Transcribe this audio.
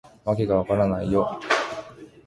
わけが分からないよ